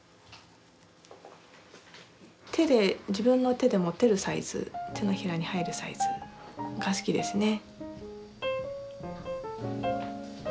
自分の手で持てるサイズ手のひらに入るサイズが好きですね。